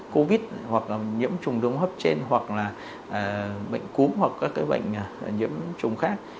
covid hoặc là nhiễm trùng đúng hấp trên hoặc là bệnh cúm hoặc các cái bệnh nhiễm trùng khác